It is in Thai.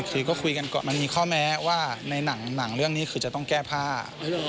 คือก็คุยกันก่อนมันมีข้อแมว่าในหนังหนังเรื่องนี้จะต้องแก้ผ้าใช่หรอ